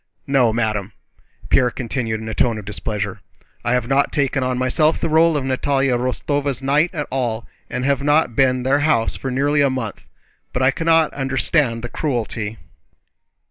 "No, madame!" Pierre continued in a tone of displeasure, "I have not taken on myself the role of Natalie Rostóva's knight at all, and have not been to their house for nearly a month. But I cannot understand the cruelty..."